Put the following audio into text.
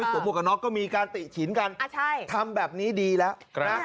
หมวกกับน็อกก็มีการติฉินกันทำแบบนี้ดีแล้วนะ